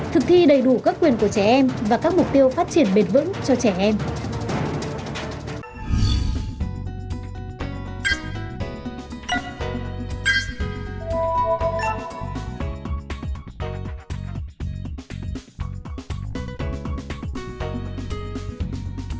thực thi đầy đủ các quyền của trẻ em và các mục tiêu phát triển bền vững cho trẻ em